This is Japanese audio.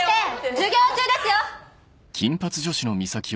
授業中ですよ！